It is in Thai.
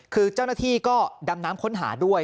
คือเจ้าหน้าที่ก็ดำน้ำค้นหาด้วย